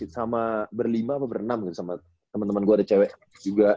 sama berlima apa berenam kan sama temen temen gue ada cewek juga